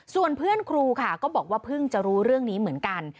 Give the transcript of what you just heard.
ส่วนเพื่อนครูค่ะก็บอกว่าเพิ่งจะรู้เรื่องนี้เหมือนกัน